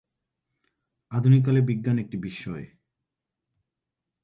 আধুনিক কালে বিজ্ঞান একটি বিস্ময়।